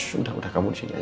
sudah sudah kamu disini